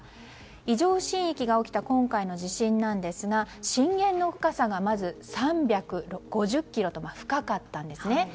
異常震域が起きた今回の地震なんですが震源の深さがまず３５０ｋｍと深かったんですね。